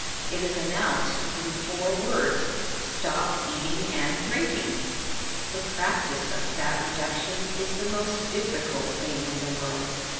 It is announced, in four words: Stop eating and drinking. The practice of fat reduction is the most difficult thing in the world.